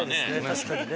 確かにね。